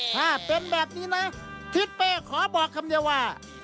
ถ้าเป็นแบบนี้นะทิศเป้ขอบอกคำเดียวว่า